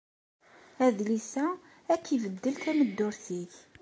Adlis-a ad ak-ibeddel tameddurt-ik.